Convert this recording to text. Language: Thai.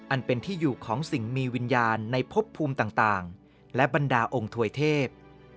อันเป็นที่อยู่ของสิ่งมีวิญญาณในพบภูมิต่างและบรรดาองค์ถวยเทพ